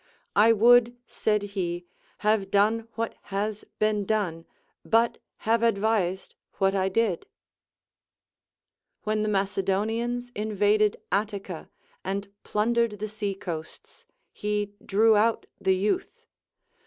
I would, said he, have done what has been done, but have advised what I did. When the Macedonians invaded Attica and plundeied the seacoasts, he drew out the youth.